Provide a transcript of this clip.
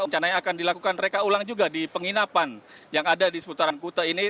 rencananya akan dilakukan reka ulang juga di penginapan yang ada di seputaran kuta ini